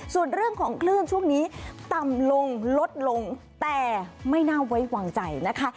ส่วนเรื่องของคลื่นช่วงนี้ต่ำลงลดลงแต่ไม่น่าไว้วางใจนะคะ